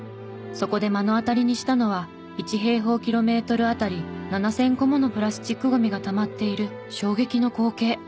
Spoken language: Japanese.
そこで目の当たりにしたのは１平方キロメートルあたり７０００個ものプラスチックごみがたまっている衝撃の光景。